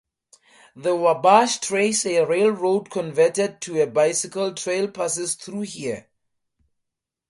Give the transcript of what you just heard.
The Wabash Trace-a railroad converted to a bicycle trail-passes through here.